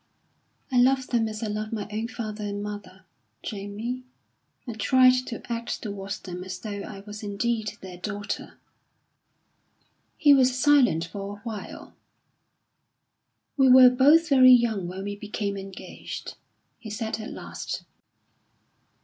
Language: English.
"I love them as I love my own father and mother, Jamie. I tried to act towards them as though I was indeed their daughter." He was silent for a while. "We were both very young when we became engaged," he said at last.